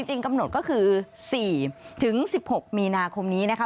จริงกำหนดก็คือ๔๑๖มีนาคมนี้นะคะ